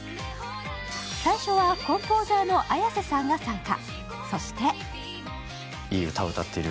最初はコンポーザーのＡｙａｓｅさんが参加。